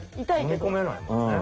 飲み込めないもんね。